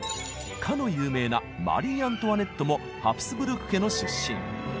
かの有名なマリー・アントワネットもハプスブルク家の出身。